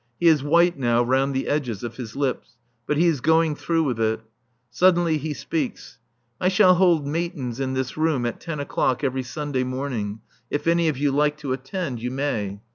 He is white now round the edges of his lips. But he is going through with it. Suddenly he speaks. "I shall hold Matins in this room at ten o'clock every Sunday morning. If any of you like to attend you may."